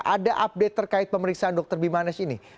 ada update terkait pemeriksaan dokter bimanesh ini